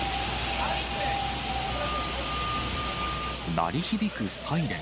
鳴り響くサイレン。